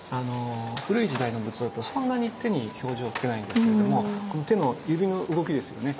古い時代の仏像ってそんなに手に表情をつけないんですけれどもこの手の指の動きですよね。